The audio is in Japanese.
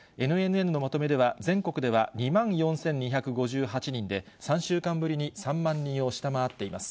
ＮＮＮのまとめでは、全国では２万４２５８人で、３週間ぶりに３万人を下回っています。